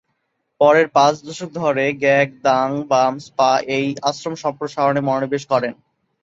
পরের পাঁচ দশক ধরে ঙ্গাগ-দ্বাং-ব্যাম্স-পা এই আশ্রম সম্প্রসারণে মনোনিবেশ করেন।